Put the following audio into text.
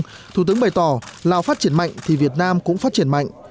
thủ tướng bày tỏ lào phát triển mạnh thì việt nam cũng phát triển mạnh